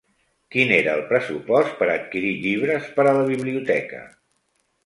Quin era el pressupost per adquirir llibres per a la biblioteca?